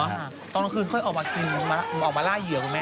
ตอนกลางคืนค่อยออกมาทิ้งออกมาล่าเหยื่อ